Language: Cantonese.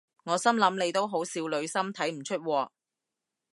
我心諗你都好少女心睇唔出喎